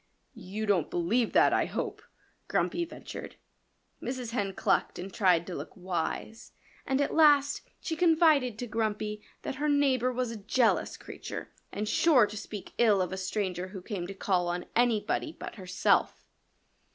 "You don't believe that, I hope," Grumpy ventured. Mrs. Hen clucked and tried to look wise. And at last she confided to Grumpy that her neighbor was a jealous creature and sure to speak ill of a stranger who came to call on anybody but herself.